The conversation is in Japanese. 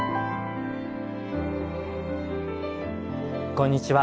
こんにちは。